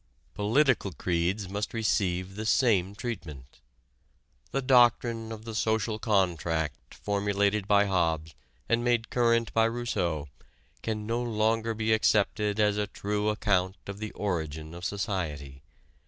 Political creeds must receive the same treatment. The doctrine of the "social contract" formulated by Hobbes and made current by Rousseau can no longer be accepted as a true account of the origin of society.